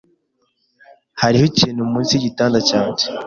Hariho ikintu munsi yigitanda cyanjye.